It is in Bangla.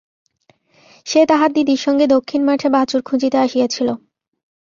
সে তাহার দিদির সঙ্গে দক্ষিণ মাঠে বাছুর খুঁজিতে আসিয়াছিল।